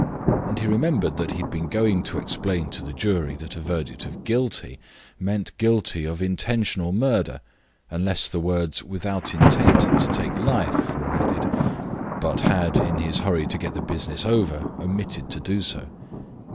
And he remembered that he had been going to explain to the jury that a verdict of "guilty" meant guilty of intentional murder unless the words "without intent to take life" were added, but had, in his hurry to get the business over, omitted to do so.